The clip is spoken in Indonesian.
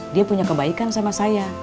dia punya kebaikan sama saya